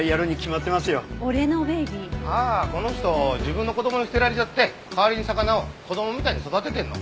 ああこの人自分の子供に捨てられちゃって代わりに魚を子供みたいに育ててるの。